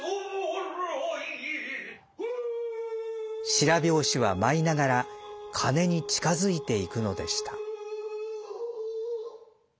白拍子は舞いながら鐘に近づいていくのでした。